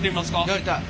やりたい。